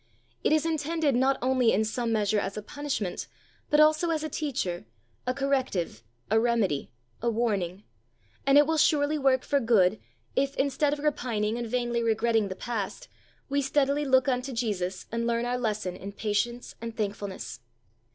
It is intended not only in some measure as a punishment, but also as a teacher, a corrective, a remedy, a warning; and it will surely work for good, if, instead of repining and vainly regretting the past, we steadily look unto Jesus and learn our lesson in patience and thankfulness.